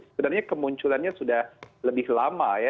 sebenarnya kemunculannya sudah lebih lama ya